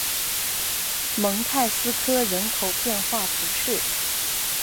蒙泰斯科人口变化图示